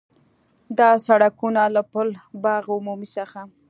دا سړکونه له پُل باغ عمومي څخه